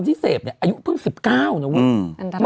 มีสารตั้งต้นเนี่ยคือยาเคเนี่ยใช่ไหมคะ